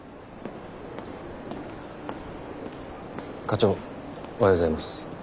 課長おはようございます。